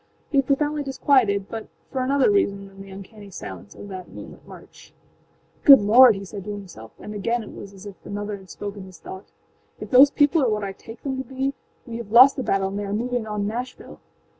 He was profoundly disquieted, but for another reason than the uncanny silence of that moonlight march. âGood Lord!â he said to himselfâand again it was as if another had spoken his thoughtââif those people are what I take them to be we have lost the battle and they are moving on Nashville!